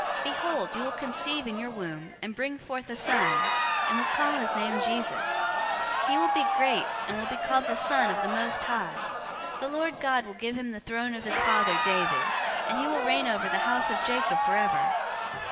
001:031 Behold, you will conceive in your womb, and bring forth a son, and will call his name 'Jesus.' 001:032 He will be great, and will be called the Son of the Most High. The Lord God will give him the throne of his father, David, 001:033 and he will reign over the house of Jacob forever.